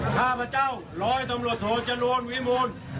ข้าพเจ้าร้อยตำรวจโทจรูลวิมูล